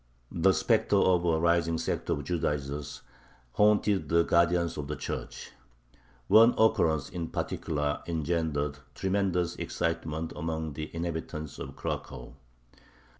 The specter of a rising sect of "Judaizers" haunted the guardians of the Church. One occurrence in particular engendered tremendous excitement among the inhabitants of Cracow.